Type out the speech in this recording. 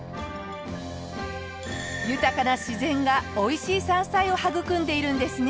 豊かな自然がおいしい山菜を育んでいるんですね。